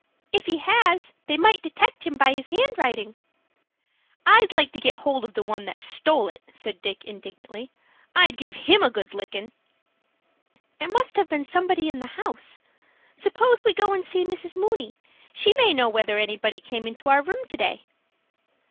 "If he has, they might detect him by his handwriting." "I'd like to get hold of the one that stole it," said Dick, indignantly. "I'd give him a good lickin'." "It must have been somebody in the house. Suppose we go and see Mrs. Mooney. She may know whether anybody came into our room to day."